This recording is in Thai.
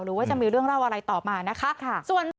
หรือว่าจะมีเรื่องเล่าอะไรต่อมานะคะ